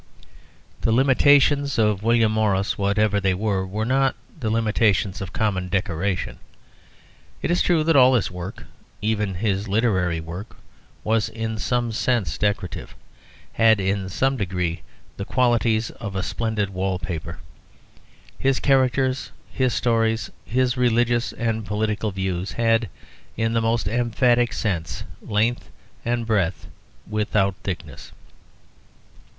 The limitations of William Morris, whatever they were, were not the limitations of common decoration. It is true that all his work, even his literary work, was in some sense decorative, had in some degree the qualities of a splendid wall paper. His characters, his stories, his religious and political views, had, in the most emphatic sense, length and breadth without thickness.